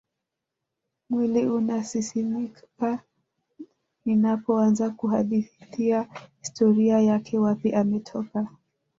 Mwiliunasisimka ninapoanza kuhadithia historia yake wapi ametoka